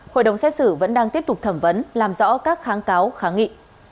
hội đồng xét xử vẫn đang tiếp tục thẩm vấn làm rõ các kháng cáo kháng nghị